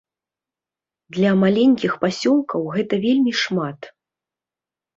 Для маленькіх пасёлкаў гэта вельмі шмат.